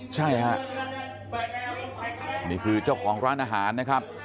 ใช่ฮะนี่คือเจ้าของร้านอาหารนะครับ